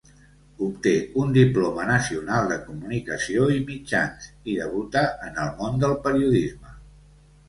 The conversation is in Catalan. Obté un diploma nacional de comunicació i mitjans i debuta en el món del periodisme.